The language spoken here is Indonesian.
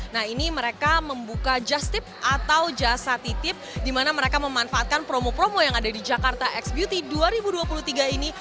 nah ini mereka membuka jastip atau jastitip dimana mereka memanfaatkan promo promo yang ada di jakarta x beauty dua ribu dua puluh tiga ini